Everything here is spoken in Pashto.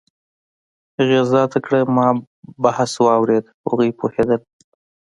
هغې زیاته کړه: "ما بحث واورېد، هغوی پوهېدل